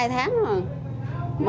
hai tháng rồi